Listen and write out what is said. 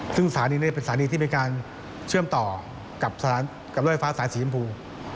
ซึ่งสถานีนี้เป็นสถานีที่มีการเชื่อมต่อกับรถไฟฟ้าสายสีชมพู